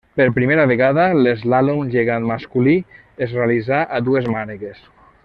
Per primera vegada l'eslàlom gegant masculí es realitzà a dues mànegues.